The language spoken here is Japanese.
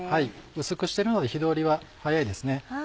薄くしてるので火通りは早いですね。